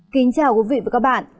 kính chào quý vị và các bạn